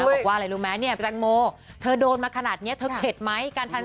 อ่าบอกว่าอะไรรู้มั้ยงี้แต้งโมเธอโดนมาขนาดเนี้ยเธอเข็ดไหมการทาน